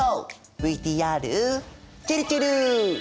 ＶＴＲちぇるちぇる！